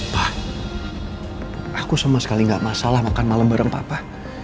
wah aku sama sekali gak masalah makan malam bareng papa